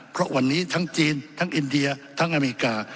เพราะวันนี้ทั้งจีนทั้งอินเดียทั้งอเมริกา